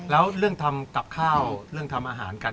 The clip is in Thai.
แล้วเรื่องทำกับข้าวเรื่องทำอาหารกัน